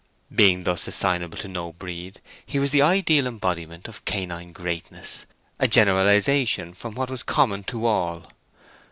Being thus assignable to no breed, he was the ideal embodiment of canine greatness—a generalization from what was common to all.